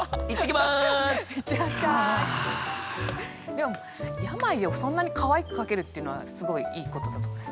でも「病」をそんなにかわいく書けるっていうのはすごいいいことだと思います。